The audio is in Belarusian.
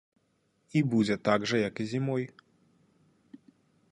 І будзе так жа, як і зімой.